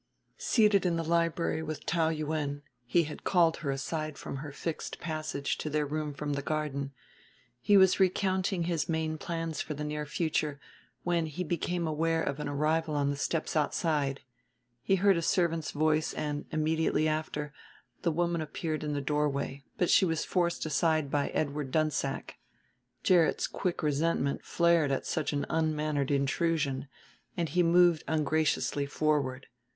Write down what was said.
Seated in the library with Taou Yuen he had called her aside from her fixed passage to their room from the garden he was recounting his main plans for the near future, when he became aware of an arrival on the steps outside. He heard a servant's voice, and, immediately after, the woman appeared in the doorway; but she was forced aside by Edward Dunsack. Gerrit's quick resentment flared at such an unmannered intrusion, and he moved ungraciously forward.